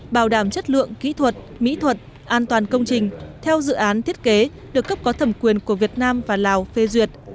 bảo đảm chất lượng kỹ thuật mỹ thuật an toàn công trình theo dự án thiết kế được cấp có thẩm quyền của việt nam và lào phê duyệt